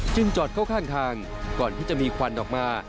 จอดเข้าข้างทางก่อนที่จะมีควันออกมา